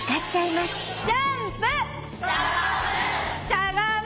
しゃがむ！